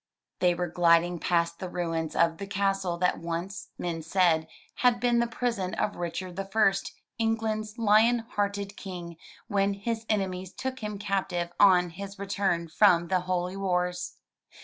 They were gliding past the ruins of the castle that once, men said, had been the prison of Richard the First, England's Lion Hearted King, when his enemies took him captive on his return from the holy wars.